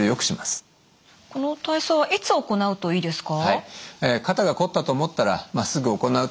この体操はいつ行うといいですか？